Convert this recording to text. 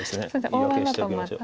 言い訳しておきましょう。